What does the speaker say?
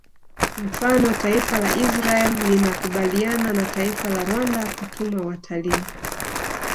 Mfano taifa la Israel linakubaliana na taifa la Rwanda kutuma watalii